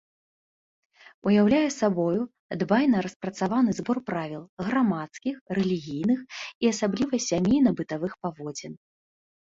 Уяўляе сабою дбайна распрацаваны збор правіл грамадскіх, рэлігійных і асабліва сямейна-бытавых паводзін.